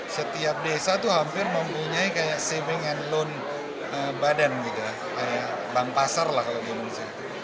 setiap desa itu hampir mempunyai kayak saving and loan badan gitu kayak bank pasar lah kalau di indonesia